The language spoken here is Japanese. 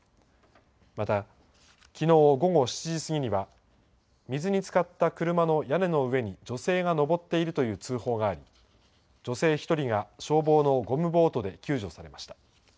また、きのう午後７時過ぎには水につかった車の屋根の上に女性が登っているという通報があり、女性１人が消防のゴムボートで救助されました。